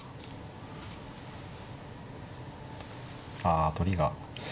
あ取りが。